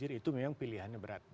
itu memang pilihannya berat